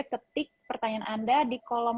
ketik pertanyaan anda di kolom